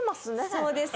そうです